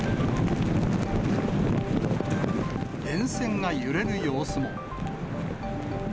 電線が揺れる様子も。